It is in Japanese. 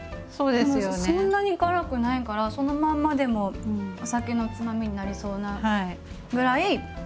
でもそんなに辛くないからそのまんまでもお酒のつまみになりそうなぐらい辛くないです。